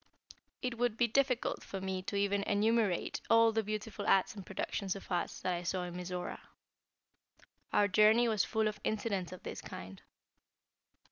It would be difficult for me to even enumerate all the beautiful arts and productions of arts that I saw in Mizora. Our journey was full of incidents of this kind.